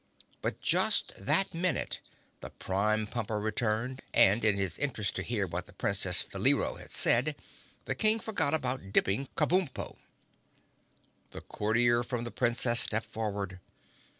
But just that minute the Prime Pumper returned and in his interest to hear what the Princess Faleero had said the King forgot about dipping Kabumpo. The courier from the Princess stepped forward.